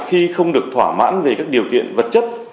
khi không được thỏa mãn về các điều kiện vật chất